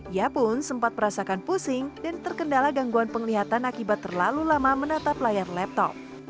ia pun sempat merasakan pusing dan terkendala gangguan penglihatan akibat terlalu lama menatap layar laptop